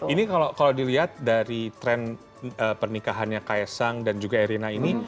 ini kalau dilihat dari tren pernikahannya kaisang dan juga erina ini